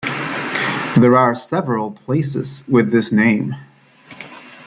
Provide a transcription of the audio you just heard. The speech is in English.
There are several places with this name.